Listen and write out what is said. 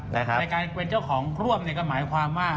ในการเป็นเจ้าของร่วมก็หมายความว่า